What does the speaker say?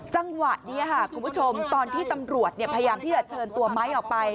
จังหวะนี้ค่ะคุณผู้ชมตอนที่ตำรวจพยายามที่จะเชิญตัวไม้ออกไป